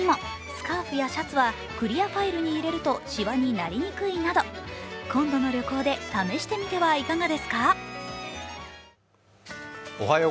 ほかにも、スカーフやシャツはクリアファイルに入れるとしわになりにくいなど、今度の旅行で試してみてはいかがですか。